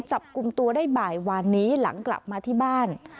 จับกลุ่มตัวได้บ่ายวานนี้หลังกลับมาที่บ้าน